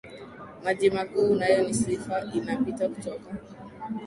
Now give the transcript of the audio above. maji makuu unayo ni safi Inapita kutoka